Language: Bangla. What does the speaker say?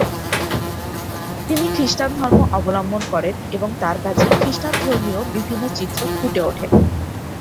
তিনি খ্রিস্টান ধর্ম অবলম্বন করেন এবং তার কাজে খ্রিস্টান ধর্মীয় বিভিন্ন চিত্র ফুটে ওঠে।